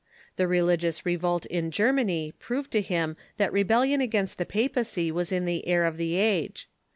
The religious revolt in Germany proved to him that rebellion against the papacy was in the air of the age.